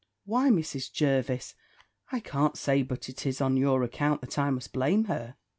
"Why, Mrs. Jervis, I can't say but it is on your account that I must blame her."